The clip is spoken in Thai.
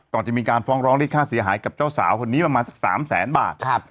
ก่อนจะมีการฟ้องร้องเรียกค่าเสียหายกับเจ้าสาวคนนี้ประมาณสัก๓แสนบาท